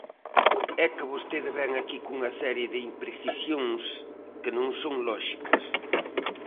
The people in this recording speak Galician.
É que vostede vén aquí cunha serie de imprecisións que non son lóxicas.